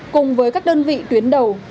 cùng với các đơn vị tuyến đầu